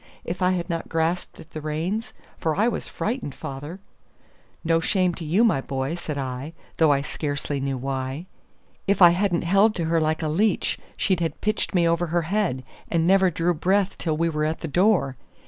If I had not grasped at the reins for I was frightened, father " "No shame to you, my boy," said I, though I scarcely knew why. "If I hadn't held to her like a leech, she'd have pitched me over her head, and never drew breath till we were at the door.